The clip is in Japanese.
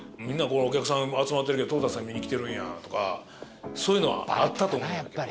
「お客さん集まってるけどトータスさん見に来てる」とかそういうのはあったと思う。